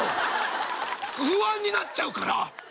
不安になっちゃうから。